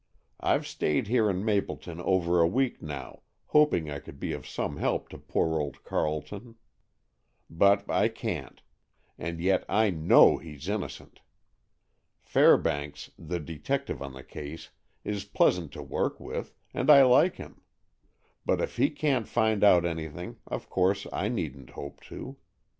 I've stayed here in Mapleton over a week now, hoping I could be of some help to poor old Carleton; but I can't—and yet I know he's innocent! Fairbanks, the detective on the case, is pleasant to work with, and I like him; but if he can't find out anything, of course I needn't hope to.